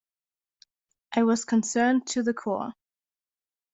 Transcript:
I was concerned to the core.